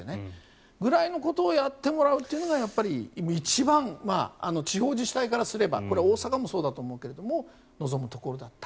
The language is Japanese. そのくらいのことをやってもらうというのが一番地方自治体からすればこれは大阪もそうだと思うけど望むところだった。